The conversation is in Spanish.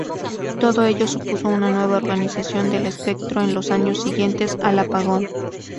Todo ello supuso una nueva organización del espectro en los años siguientes al apagón.